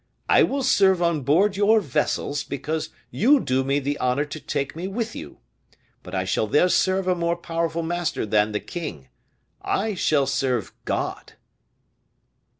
I will serve on board your vessels, because you do me the honor to take me with you; but I shall there serve a more powerful master than the king: I shall serve God!"